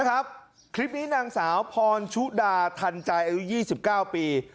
นะครับคลิปนี้นางสาวพรชุดาทันใจ๒๙ปี